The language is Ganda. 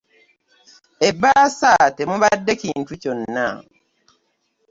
Ebbaasa temubadde kintu kyonna.